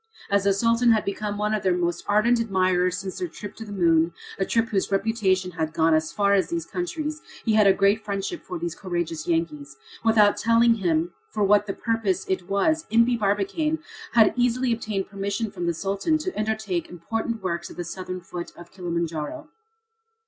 As the Sultan had become one of their most ardent admirers since their trip to the moon, a trip whose reputation had gone as far as these countries, he had a great friendship for these courageous Yankees. Without telling him for what purpose it was, Impey Barbicane had easily obtained permission from the Sultan to undertake important works at the southern foot of Kilimanjaro.